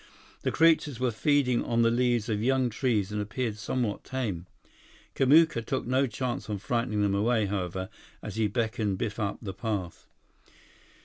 The creatures were feeding on the leaves of young trees and appeared somewhat tame. Kamuka took no chance on frightening them away, however, as he beckoned Biff up the path.